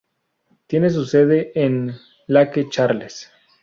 Tiene su sede en Lake Charles.